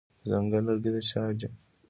د ځنګل لرګي د چا دي؟